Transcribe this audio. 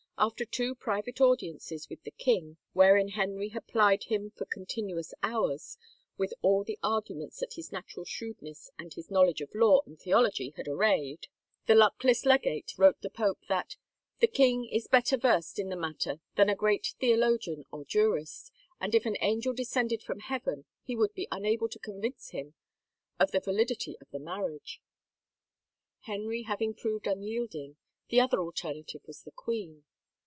After two private audiences with the king, wherein Henry had plied him for continuous hours with all the argtmients that his natural shrewdness and his knowledge of law and theology had arrayed, the luckless legate wrote the pope that, " The king is better versed in the matter than a great theologian or jurist, and if an angel descended from heaven he would be unable to convince him of the validity of the marriage." Henry having proved unyielding, the other alternative was the queen.